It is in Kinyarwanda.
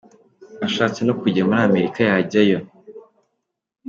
ashatse no kujya muri Amerika yajyayo.